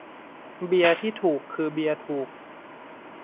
"เบียร์ที่ถูกคือเบียร์ถูก"